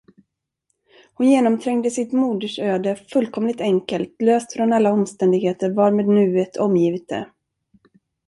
Hon genomträngde sitt modersöde fullkomligt enkelt, löst från alla omständigheter varmed nuet omgivit det.